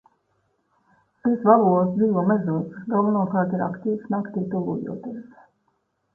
Šīs vaboles dzīvo mežos, galvenokārt ir aktīvas, naktij tuvojoties.